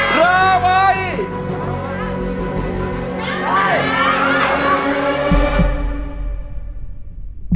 ร้องได้ให้ร้อง